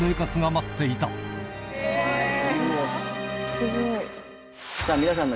すごい。